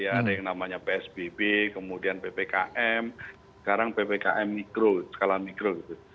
ada yang namanya psbb kemudian ppkm sekarang ppkm mikro skala mikro gitu